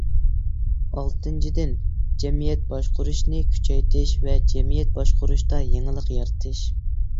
ئالتىنچىدىن، جەمئىيەت باشقۇرۇشنى كۈچەيتىش ۋە جەمئىيەت باشقۇرۇشتا يېڭىلىق يارىتىش.